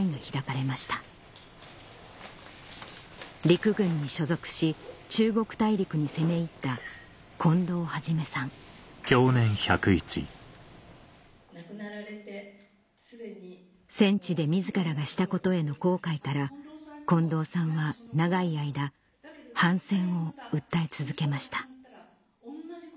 陸軍に所属し中国大陸に攻め入った戦地で自らがしたことへの後悔から近藤さんは長い間反戦を訴え続けました